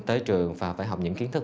tới trường và phải học những kiến thức